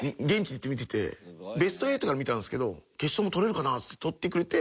ベスト８から見たんですけど決勝も取れるかなっつって取ってくれて。